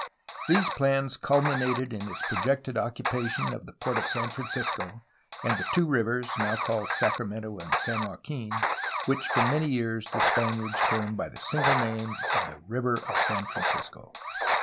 These plans culminated in his projected occupation of the port of San Francisco and the two rivers (now called Sacramento and San Joaquin) which for many years the Spaniards termed by the single name of the River of San Francisco.